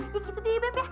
ya gitu deh beb ya